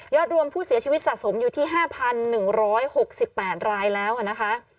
รวมผู้เสียชีวิตสะสมอยู่ที่๕๑๖๘รายแล้วนะคะ